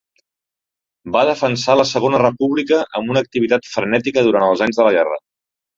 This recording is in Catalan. Va defensar la Segona República amb una activitat frenètica durant els anys de la guerra.